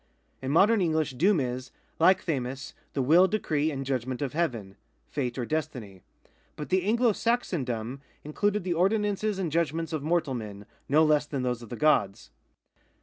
In modern English doom is, like 8tj.iu:, the will, decree and judgment of Heaven — fate or destiny ; but the Anglo Saxon dom included the ordinances and judgments of mortal men, no less than those of the gods.